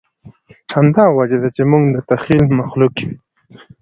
همدا وجه ده، چې موږ د تخیل مخلوق یو.